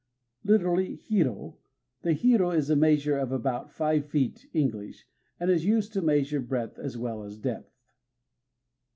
_ Lit., "hiro." The hiro is a measure of about five feet English, and is used to measure breadth as well as depth.